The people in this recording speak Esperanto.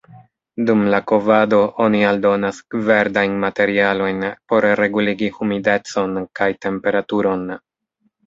Dum la kovado oni aldonas verdajn materialojn por reguligi humidecon kaj temperaturon.